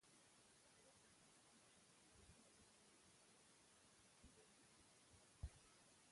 تاریخ د افغانستان د جغرافیې یو له ډېرو غوره او ښو بېلګو څخه دی.